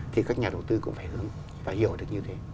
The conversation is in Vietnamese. thì các nhà đầu tư cũng phải hướng và hiểu được như thế